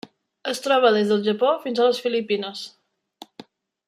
Es troba des del Japó fins a les Filipines.